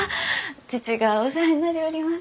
父がお世話になりょうります。